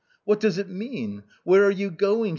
"What does it mean? where are you going?"